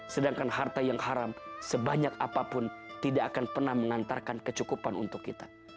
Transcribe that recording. sedangkan harta yang haram sebanyak apapun tidak akan pernah mengantarkan kecukupan untuk kita